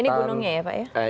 ini gunungnya ya pak ya